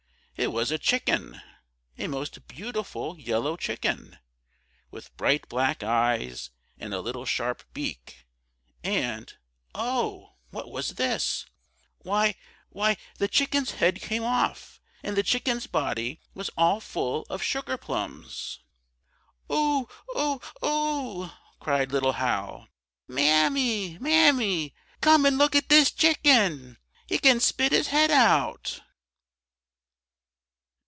It was a chicken! a most beautiful yellow chicken, with bright black eyes and a little sharp beak, and,—oh! what was this? Why! why! the chicken's head came off, and the chicken's body was all full of sugar plums! "Oh! oh! oh!" cried little Hal. "Mammy! Mammy! come and look at dis chicken! _He can spit his head out!